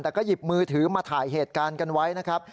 แต่ก็หยิบมือถือมาถ่ายเหตุการณ์กันไว้นะครับ